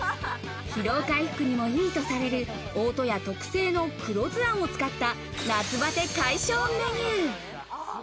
疲労回復にも良いとされる、大戸屋特製の黒酢あんを使った夏バテ解消メニュー。